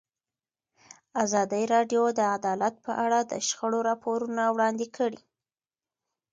ازادي راډیو د عدالت په اړه د شخړو راپورونه وړاندې کړي.